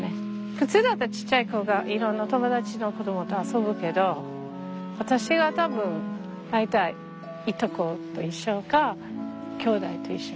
普通だったらちっちゃい子がいろんな友達の子供と遊ぶけど私は多分大体いとこと一緒かきょうだいと一緒。